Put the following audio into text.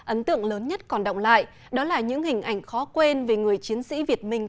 ấn tượng lớn nhất còn động lại đó là những hình ảnh khó quên về người chiến sĩ việt minh